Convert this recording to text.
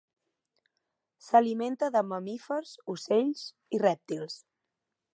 S'alimenta de mamífers, ocells i rèptils.